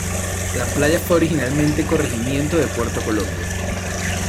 La Playa fue originalmente corregimiento de Puerto Colombia.